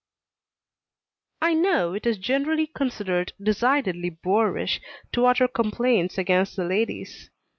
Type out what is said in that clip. I know it is generally considered decidedly boorish to utter complaints against the ladies.